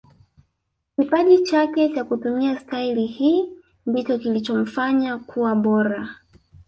kipaji chake cha kutumia stahili hii ndicho kilichomfanya kuwa bora